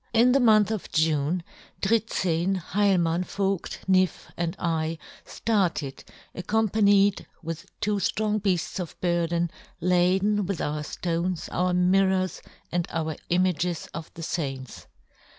In the month of June, " Dritzehn, Heilmann, Voigt, NiiFe, " and I, ftarted, accompanied with " two ftrong beafts of burden laden " with our ftones, our mirrors, and " our images of the faints.